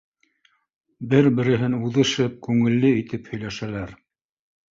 Бер-береһен уҙышып, күңелле итеп һөйләшәләр: